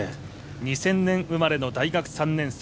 ２０００年生まれの大学３年生。